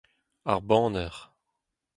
ar baner